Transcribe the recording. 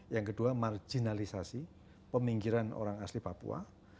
yang kedua marginalisasi peminggiran orang asli papua